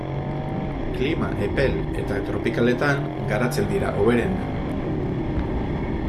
Klima epel eta tropikaletan garatzen dira hoberen.